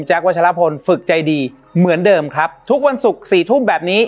วัชลพลฝึกใจดีเหมือนเดิมครับทุกวันศุกร์สี่ทุ่มแบบนี้